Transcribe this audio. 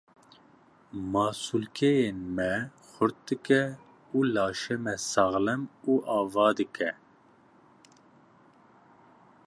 Masûlkeyên me xurt dike û laşê me saxlem û ava dike.